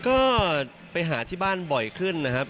ก็ไปหาที่บ้านบ่อยขึ้นนะครับ